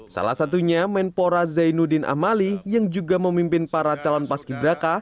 salah satunya menpora zainuddin amali yang juga memimpin para calon paski braka